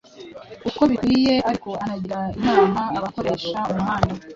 uko bikwiyeariko anagira inama abakoresha umuhanda